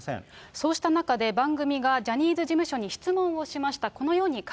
そうした中で、番組がジャニーズ事務所に質問をしました。